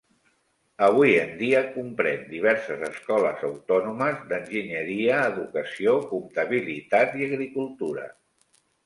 Avui en dia, comprèn diverses escoles autònomes d'enginyeria, educació, comptabilitat i agricultura.